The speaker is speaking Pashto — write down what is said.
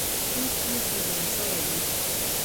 پوستې سوځول سوي دي.